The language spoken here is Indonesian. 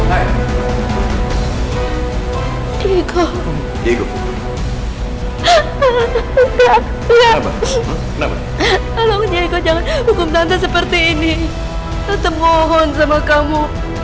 aku tidak mau nama nama kalau dia ikut jangan hukum tante seperti ini tetap mohon sama kamu